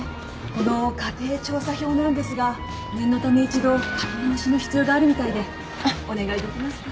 この家庭調査票なんですが念のため一度書き直しの必要があるみたいでお願いできますか？